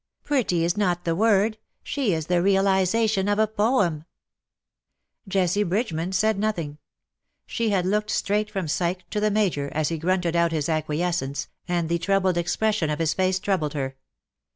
^^ Pretty is not the word. She is the realization of a poem/^ Jessie Bridgeman said nothing. She had looked straight from Psyche to the Major, as he grunted out his acquiescence, and the troubled expression of his face troubled her.